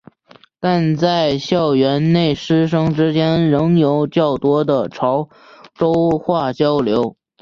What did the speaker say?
但校园内师生之间仍有较多的潮州话交流。